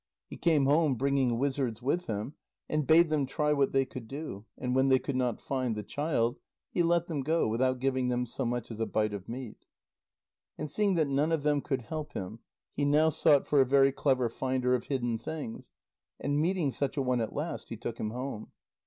He came home bringing wizards with him, and bade them try what they could do, and when they could not find the child, he let them go without giving them so much as a bite of meat. And seeing that none of them could help him, he now sought for a very clever finder of hidden things, and meeting such a one at last, he took him home.